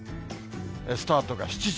スタートが７時。